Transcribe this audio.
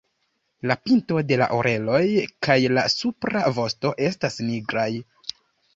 La pinto de la oreloj kaj la supra vosto estas nigraj.